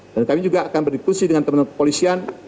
dan kami juga akan berdikusi dengan teman teman kepolisian